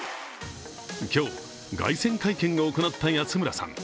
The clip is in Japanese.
今日、凱旋会見を行った安村さん。